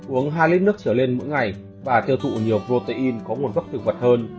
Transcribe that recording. uống hai lít nước trở lên mỗi ngày và tiêu thụ nhiều protein có nguồn gốc thực vật hơn